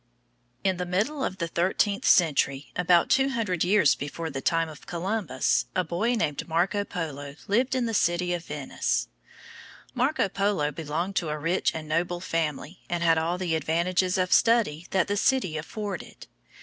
In the middle of the thirteenth century, about two hundred years before the time of Columbus, a boy named Marco Polo lived in the city of Venice. [Illustration: Marco Polo.] Marco Polo belonged to a rich and noble family, and had all the advantages of study that the city afforded.